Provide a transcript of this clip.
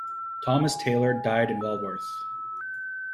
Thomas Taylor died in Walworth.